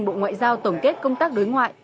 bộ ngoại giao tổng kết công tác đối ngoại